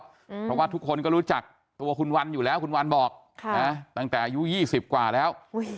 เพราะว่าทุกคนก็รู้จักตัวคุณวันอยู่แล้วคุณวันบอกตั้งแต่อายุ๒๐กว่าแล้ว